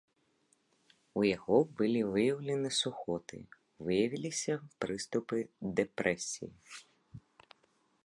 У яго былі выяўлены сухоты, выявіліся прыступы дэпрэсіі.